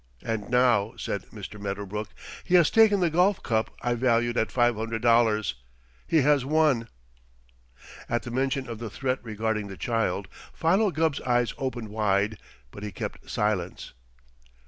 And now," said Mr. Medderbrook, "he has taken the golf cup I value at five hundred dollars. He has won." At the mention of the threat regarding the child, Philo Gubb's eyes opened wide, but he kept silence.